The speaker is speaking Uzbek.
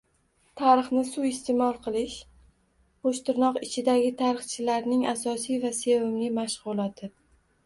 Tarixni suiiste’mol qilish qo‘shtirnoq ichidagi tarixchilarning asosiy va sevimli mashg‘uloti.